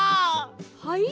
はい？